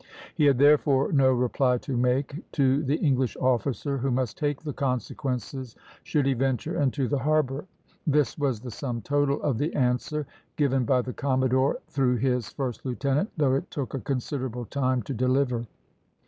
He had therefore no reply to make to the English officer, who must take the consequences should he venture into the harbour. This was the sum total of the answer given by the commodore, through his first lieutenant, though it took a considerable time to deliver.